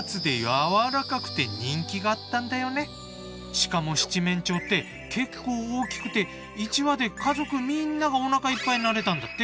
しかも七面鳥って結構大きくて１羽で家族みんながおなかいっぱいになれたんだって。